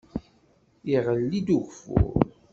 Iɣelli-d ugeffur.